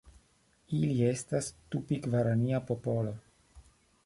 Ili estas Tupi-gvarania popolo.